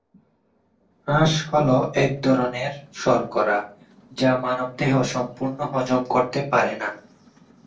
আঁশ হলো এক ধরনের শর্করা যা মানব দেহ সম্পূর্ণ হজম করতে পারে না।